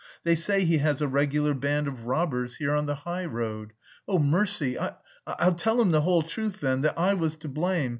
They say he has a regular band of robbers here on the high road. Oh, mercy, I... I'll tell him the whole truth then, that I was to blame...